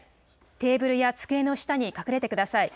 テーブルや机の下に隠れてください。